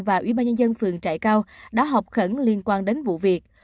và ủy ban nhân dân phường trại cao đã họp khẩn liên quan đến vụ việc